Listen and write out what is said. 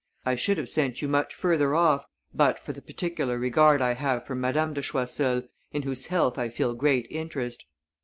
I should have sent you much further off, but for the particular regard I have for Madame de Choiseul, in whose health I feel great interest.